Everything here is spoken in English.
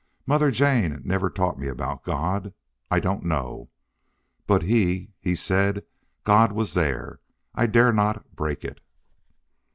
Mother Jane never taught me about God. I don't know. But HE he said God was there. I dare not break it."